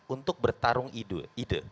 untuk bertarung ide